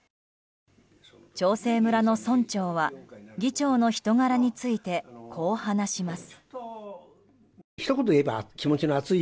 長生村の村長は議長の人柄についてこう話します。